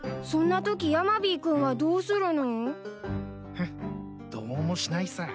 フッどうもしないさ。